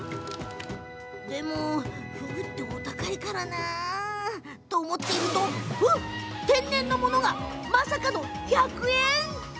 でも、ふぐってお高いからなと思っていると天然ものがまさかの１００円？